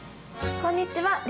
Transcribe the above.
こんにちは！